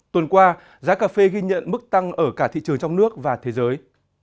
tuần qua giá cà phê ghi nhận mức tăng ở cả thị trường trong nước và thế giới